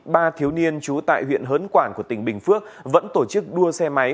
ba thiếu niên trú tại huyện hớn quản của tỉnh bình phước vẫn tổ chức đua xe máy